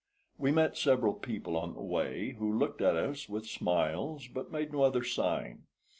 We met several people on the way, who looked at us with smiles, but made no other sign.